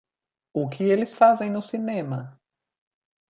O que eles fazem no cinema?